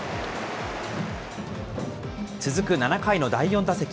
続く７回の第４打席。